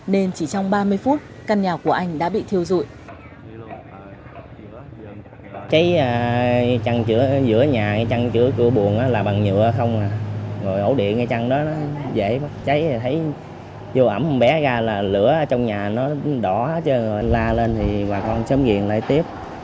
nên chỉ trong ba mươi phút căn nhà của anh đã bị thiêu dụi